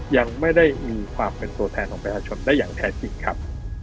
ยังไม่ได้มีความเป็นตัวแทนของประชาชนได้อย่างแท้จริงครับ